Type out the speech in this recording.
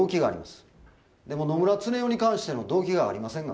でも野村恒雄に関しての動機がありませんが。